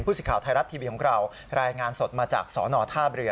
ผู้สิทธิข่าวไทยรัชทีวีของเรารายงานสดมาจากสวนธาเปลี่ยว